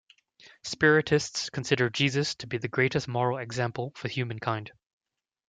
Spiritists consider Jesus to be the greatest moral example for humankind.